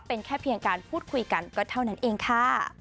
เป็นแค่เพียงการพูดคุยกันก็เท่านั้นเองค่ะ